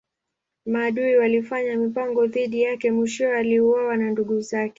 Maadui walifanya mipango dhidi yake mwishowe aliuawa na ndugu zake.